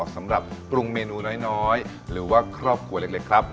สำหรับปรุงเมนูน้อยหรือว่าครอบครัวเล็กครับ